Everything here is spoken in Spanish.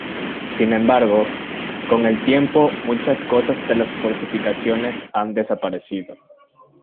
Sin embargo, con el tiempo muchas de las fortificaciones han desaparecido.